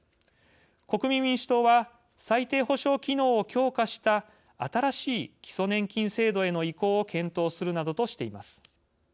「国民民主党」は最低保障機能を強化した新しい基礎年金制度への移行を検討するなどとしています。